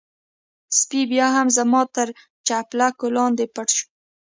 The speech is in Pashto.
سپی بيا هم زما تر چپلکو لاندې پټ شو.